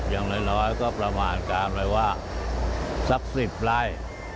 อย่างน้อยก็ประมาณกลางเลยว่าสักสิบไร